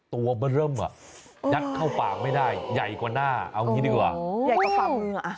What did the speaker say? ตัวบร่ำอ่ะยักเข้าปากไม่ได้ใหญ่กว่าหน้าเอาอย่างนี้ดีกว่า